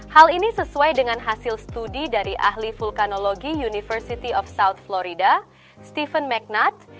hal ini sesuai dengan hasil studi dari ahli vulkanologi university of south florida stephen magnuts